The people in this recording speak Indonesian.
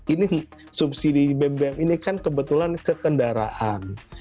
ini subsidi bbm ini kan kebetulan ke kendaraan